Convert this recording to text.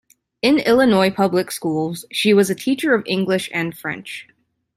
In Illinois public schools, she was a teacher of English and French.